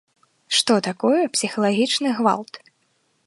Што такое псіхалагічны гвалт?